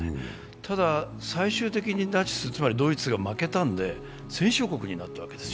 ただ、最終的にナチス、つまりドイツが負けたので戦勝国になったわけですよ。